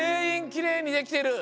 きれいにできてる！